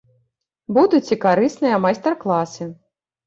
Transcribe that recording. Будуць і карысныя майстар класы.